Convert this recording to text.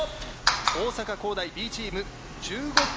大阪公大Ｂチーム１５点。